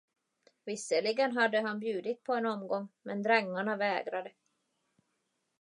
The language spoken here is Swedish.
Visserligen hade han bjudit på en omgång, men drängarna vägrade.